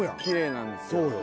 きれいなんですよ。